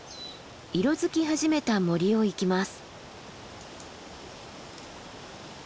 色づき始めた森を行きます。